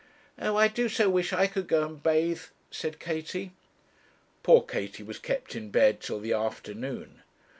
'Oh, I do so wish I could go and bathe,' said Katie. Poor Katie was kept in bed till the afternoon.